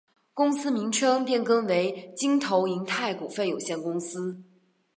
公司名称变更为京投银泰股份有限公司。